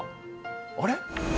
あれ？